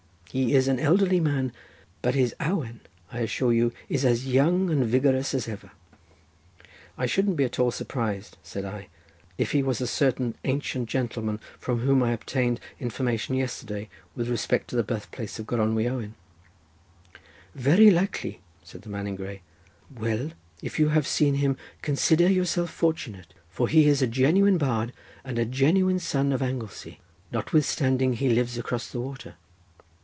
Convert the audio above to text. He is an elderly man, but his awen, I assure you, is as young and vigorous as ever." "I shouldn't be at all surprised," said I, "if he was a certain ancient gentleman, from whom I obtained information yesterday, with respect to the birth place of Gronwy Owen." "Very likely," said the man in grey; "well, if you have seen him consider yourself fortunate, for he is a genuine bard, and a genuine son of Anglesey, notwithstanding he lives across the water."